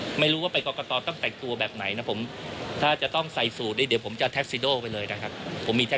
อ่าไม่ใช่ไม่มีมีแต่ว่ามันบ้านกำหนดเดรสโค้ดมาเขาก็เลยใส่ชุดนี้มา